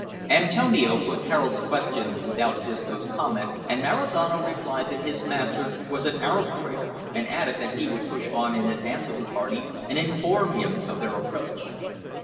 Antonio put Harold's question without Disco's comment, and Marizano replied that his master was an Arab trader, and added that he would push on in advance of the party and inform him of their approach.